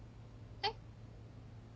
えっ？